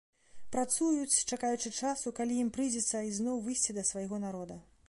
Працуюць, чакаючы часу, калі ім прыйдзецца ізноў выйсці да свайго народа.